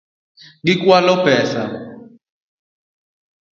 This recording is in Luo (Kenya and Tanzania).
Gikwalo pesa